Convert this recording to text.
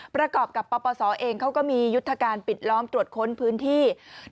ประกอบกับปปศเองเขาก็มียุทธการปิดล้อมตรวจค้นพื้นที่